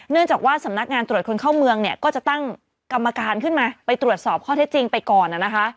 เนื่องจากว่าสำนักงานตรวจคนเข้าเมืองเนี่ยก็จะตั้งกรรมการขึ้นมาไปตรวจสอบข้อเท็จจริงไปก่อนนะคะ